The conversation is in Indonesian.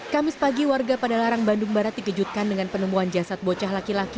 kamis pagi warga pada larang bandung barat dikejutkan dengan penemuan jasad bocah laki laki